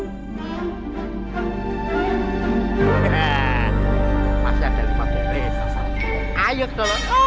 he he masih ada lima bel ayo tolong oke